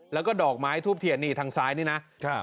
แล้วก็ดอกไม้ทูบเทียนนี่ทางซ้ายนี่นะ